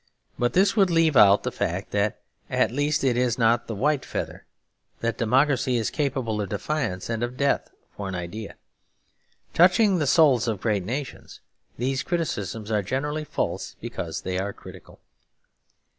But this would leave out the fact that at least it is not the white feather; that democracy is capable of defiance and of death for an idea. Touching the souls of great nations, these criticisms are generally false because they are critical.